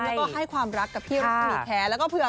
แล้วก็ให้ความรักกับพี่รักสัมมิตรแคะ